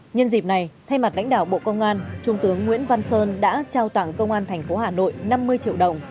nhân dịp này thay mặt lãnh đạo bộ công an trung tướng nguyễn văn sơn đã trao tặng công an thành phố hà nội năm mươi triệu đồng